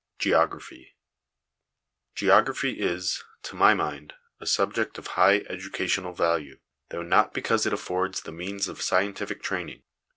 GEOGRAPHY Geography is, to my mind, a subject of high educational value ; though not because it affords the means of scientific training.